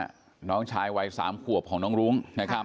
นี่ค่ะน้องชายวัย๓ขวบของน้องรุ้ง